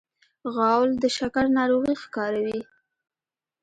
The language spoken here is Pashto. غول د شکر ناروغي ښکاروي.